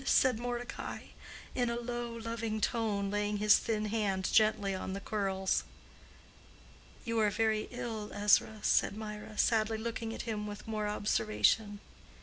said Mordecai, in a low loving tone, laying his thin hand gently on the curls. "You are very ill, Ezra," said Mirah, sadly looking at him with more observation.